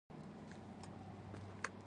کثافت د جسم د دروندوالي نښه ده.